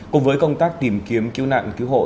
cùng với công tác tìm kiếm cứu nạn cứu hộ